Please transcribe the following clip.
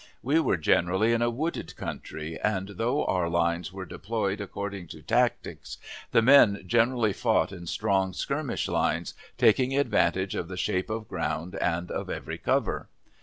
We were generally in a wooded country, and, though our lines were deployed according to tactics, the men generally fought in strong skirmish lines, taking advantage of the shape of ground, and of every cover.